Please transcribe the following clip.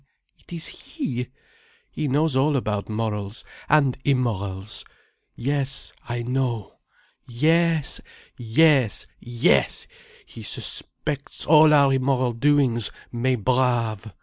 It is he. He knows all about morals—and immorals. Yes, I know. Yes—yes—yes! He suspects all our immoral doings, mes braves."